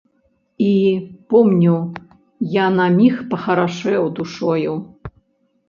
І, помню, я на міг пахарашэў душою.